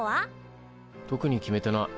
特に決めてない。